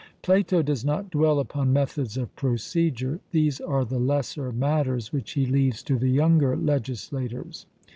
Plato does not dwell upon methods of procedure: these are the lesser matters which he leaves to the younger legislators.